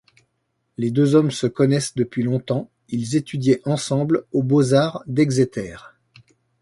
Les deux hommes se connaissent depuis longtemps, ils étudiaient ensemble aux Beaux Arts d'Exeter.